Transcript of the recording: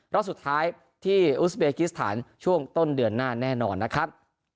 รอบสุดท้ายที่อุสเบกิสถานช่วงต้นเดือนหน้าแน่นอนนะครับ